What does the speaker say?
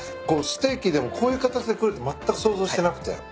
ステーキでもこういう形で来るとまったく想像してなくて。